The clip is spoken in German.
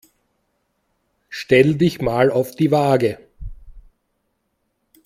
Stell dich mal auf die Waage.